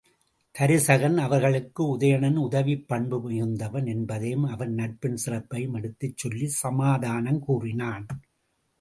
தருசகன் அவர்களுக்கு, உதயணன் உதவிப் பண்பு மிகுந்தவன் என்பதையும் அவன் நட்பின் சிறப்பையும், எடுத்துச் சொல்லிச் சமாதானம் கூறினான்.